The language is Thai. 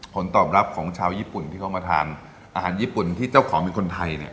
ผลตอบรับของชาวญี่ปุ่นที่เขามาทานอาหารญี่ปุ่นที่เจ้าของเป็นคนไทยเนี่ย